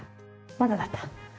まだだった。